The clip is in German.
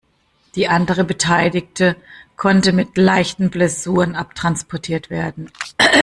Die andere Beteiligte konnte mit leichten Blessuren abtransportiert werden.